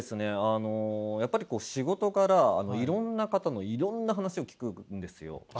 あのやっぱりこう仕事柄いろんな方のいろんな話を聞くんですよ。